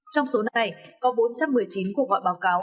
trong số này có bốn trăm một mươi chín cuộc gọi báo cáo